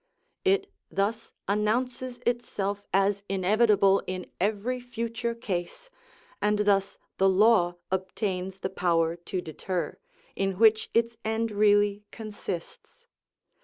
It thus announces itself as inevitable in every future case, and thus the law obtains the power to deter, in which its end really consists.